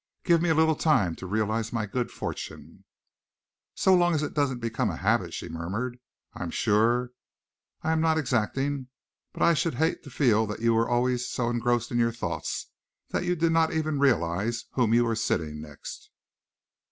Give me a little time to realize my good fortune." "So long as it doesn't become a habit," she murmured. "I am sure I am not exacting, but I should hate to feel that you were always so engrossed in your thoughts that you did not even realize whom you were sitting next."